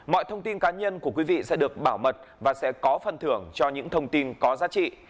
mọi thông tin cá nhân của quý vị sẽ được bảo mật và sẽ có phần thưởng cho những thông tin có giá trị